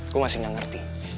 gue masih gak ngerti